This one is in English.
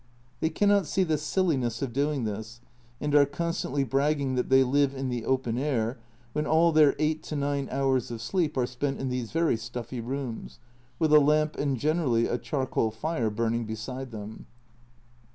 They cannot see the silliness of doing this, and are constantly bragging that they live in the open air, when all their eight to nine hours of sleep are spent in these very stuffy rooms, with a lamp and generally a charcoal fire burning beside them.